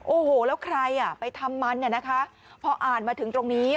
โอ้โหแล้วใครอ่ะไปทำมันเนี่ยนะคะพออ่านมาถึงตรงนี้